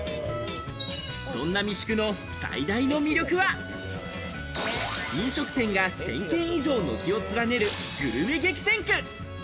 そんな三宿の最大の魅力は、飲食店が１０００軒以上、軒を連ねる、グルメ激戦区。